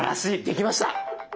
できました。